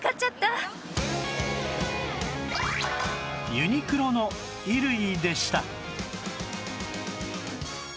ユニクロの衣類でした